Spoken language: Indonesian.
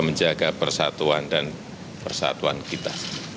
menjaga persatuan dan persatuan kita